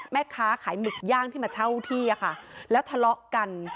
แม่ค้าขายหมึกย่างที่มาเช่าที่อะค่ะแล้วทะเลาะกัน